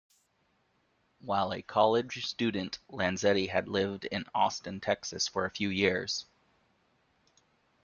While a college student, Lanzetti had lived in Austin, Texas for a few years.